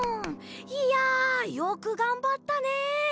いやよくがんばったね！